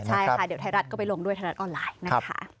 ใช่ค่ะเดี๋ยวไทยรัฐก็ไปลงด้วยไทยรัฐออนไลน์นะคะ